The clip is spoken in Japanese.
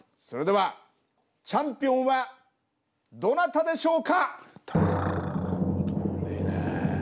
それではチャンピオンはどなたでしょうか？